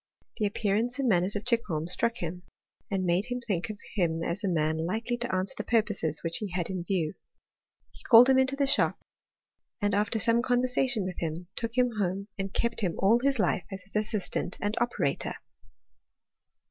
The appearance and * manners of Chicholm struck him, and made him think of him as a man likely to answer the purposes whidi he had in view. He called him into the shop, and after some conversation with him, took him home, and kept him all his life as his assistant and operatof.